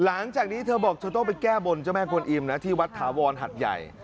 หลังจากนี้เธอบอกเธอต้องไปแก้บนเจ้าแม่กวนอิมนะที่วัดถาวรหัดใหญ่